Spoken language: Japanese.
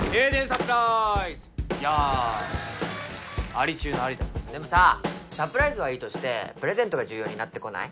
サプラーイズヤーありちゅうのありだでもさサプライズはいいとしてプレゼントが重要になってこない？